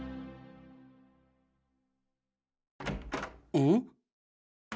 うん？